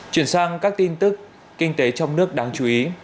chuyển sang các tin tức kinh tế trong nước đáng chú ý